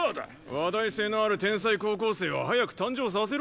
話題性のある天才高校生を早く誕生させろ！